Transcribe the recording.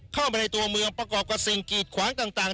เข้ามาในตัวเมืองประกอบกับสิ่งกีดขวางต่าง